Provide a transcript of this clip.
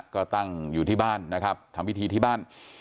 ก็ตั้งอยู่ที่บ้านนะครับทำพิธีที่บ้าน